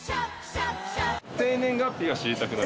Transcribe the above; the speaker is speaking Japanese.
生年月日が知りたくなる？